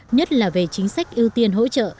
nhất là về chính sách ưu tiên hỗ trợ